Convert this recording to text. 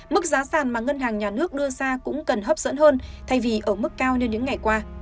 mức giá sàn mà ngân hàng nhà nước đưa ra cũng cần hấp dẫn hơn thay vì ở mức cao như những ngày qua